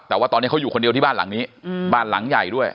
แต่ว่าตอนนี้เขาอยู่คนเดียวที่บ้านหลังนี้บ้านหลังใหญ่ด้วย